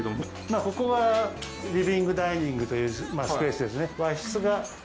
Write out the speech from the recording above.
まあここはリビングダイニングというスペースですね。